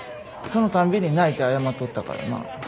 そのたんびに泣いて謝っとったからな。